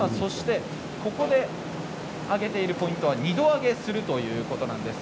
ここで揚げているポイントは２度揚げをするということです。